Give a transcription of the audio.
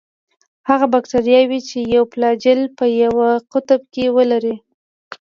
هغه باکتریاوې چې یو فلاجیل په یوه قطب کې ولري.